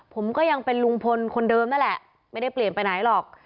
ผมก็ยังเป็นลุงพลคนเดิมนั่นแหละไม่ได้เปลี่ยนไปไหนหรอก